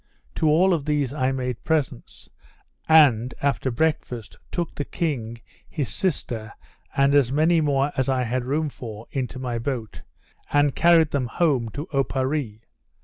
To all of them I made presents; and, after breakfast, took the king, his sister, and as many more as I had room for, into my boat, and carried them home to Oparree.